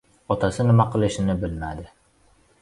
Otasi nima qilishini bilmadi.